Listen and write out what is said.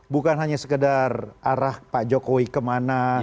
bukan hanya sekedar arah pak jokowi kemana